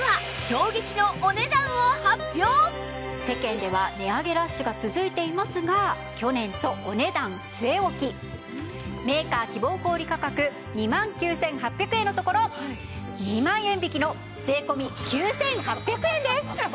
では世間では値上げラッシュが続いていますが去年とお値段据え置きメーカー希望小売価格２万９８００円のところ２万円引きの税込９８００円です。